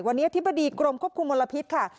วันนี้อธิบดีกรมควบคุมมลพิษค่ะ